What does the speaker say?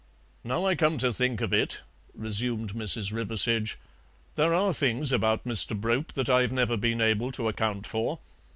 "Now I come to think of it," resumed Mrs. Riversedge, "there are things about Mr. Brope that I've never been able to account for.